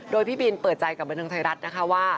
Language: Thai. โดยพี่บินเปิดใจกับบันเทิงไทยรัฐนะคะว่า